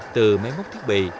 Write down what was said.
từ máy móc thiết bị